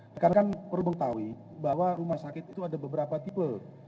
karena kan perlu mengetahui bahwa rumah sakit itu ada beberapa tipe